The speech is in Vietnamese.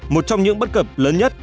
một trong những bất cập lớn nhất